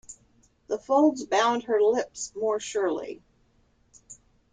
The folds bound her lips more surely.